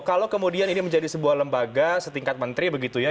kalau kemudian ini menjadi sebuah lembaga setingkat menteri begitu ya